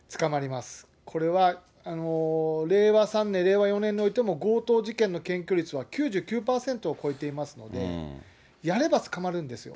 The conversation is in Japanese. これは令和３年、令和４年においても、強盗事件の検挙率は９９％を超えていますので、やれば捕まるんですよ。